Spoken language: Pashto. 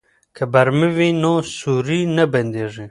که برمه وي نو سوري نه بنديږي.